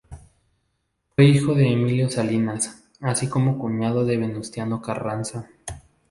Fue hijo de Emilio Salinas, así como cuñado de Venustiano Carranza.